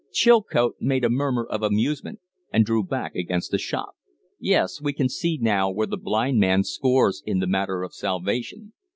Chilcote made a murmur of amusement and drew back against the shop. "Yes. We can see now where the blind man scores in the matter of salvation.